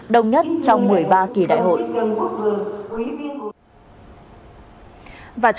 đồng nhất trong một mươi ba kỳ đại hội